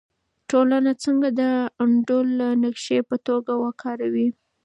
ټولنه څنګه د انډول د نقشې په توګه کاروي؟